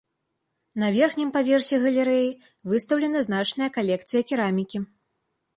На верхнім паверсе галерэі выстаўлена значная калекцыя керамікі.